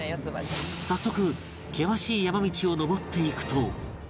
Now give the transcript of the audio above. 早速険しい山道を上っていくと